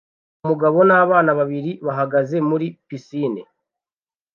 Umugabo nabana babiri bahagaze muri pisine